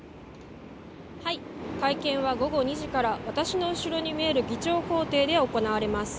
会見は午後２時から私の後ろに見える議長公邸で行われます